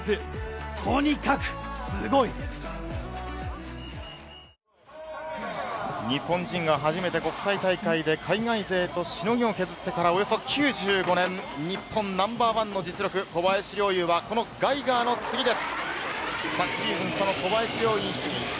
この男のジャンプ、とにかくすごい！日本人が初めて国際大会で海外勢としのぎを削ってからおよそ９５年、日本ナンバーワンの実力、小林陵侑はガイガーの次です。